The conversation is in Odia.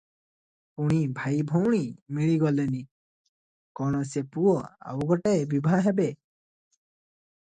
ପୁଣି ଭାଇ ଭଉଣୀ ମିଳି ଗଲେଣି! କଣ, ସେ ପୁଣି ଆଉ ଗୋଟାଏ ବିଭା ହେବେ?